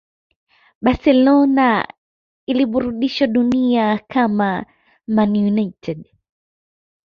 Barcelona iliburdisha dunia kama Man United